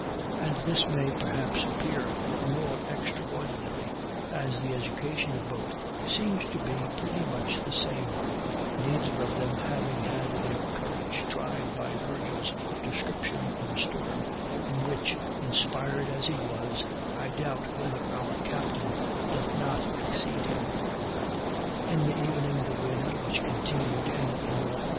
And this may, perhaps, appear the more extraordinary, as the education of both seems to be pretty much the same; neither of them having had their courage tried by Virgil's description of a storm, in which, inspired as he was, I doubt whether our captain doth not exceed him. In the evening the wind, which continued in the N.W.